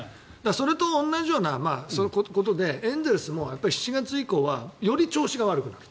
それと同じようなことでエンゼルスも７月以降はより調子が悪くなる。